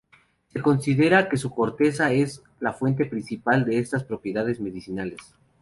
Se considera que su corteza es la fuente principal de estas propiedades medicinales.